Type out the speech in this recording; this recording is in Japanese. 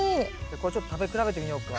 これちょっと食べ比べてみようか。